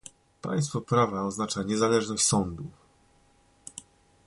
Państwo prawa oznacza niezależność sądów